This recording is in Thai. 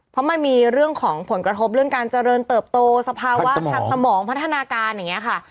เพราะมันมีเรื่องของผลกระทบเรื่องการเจริญเติบโตสภาวะทางสมองพัฒนาการอย่างนี้ค่ะ